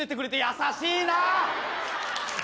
優しいな！